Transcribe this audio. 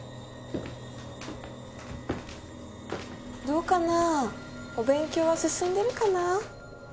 どうかなお勉強は進んでるかな？